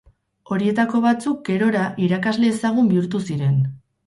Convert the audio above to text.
Horietako batzuk gerora irakasle ezagun bihurtu ziren.